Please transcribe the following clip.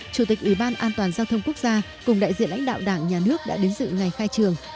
chủ tịch ủy ban an toàn giao thông quốc gia cùng đại diện lãnh đạo đảng nhà nước đã đến dự ngày khai trường